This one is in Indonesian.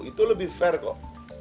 itu lebih fair kok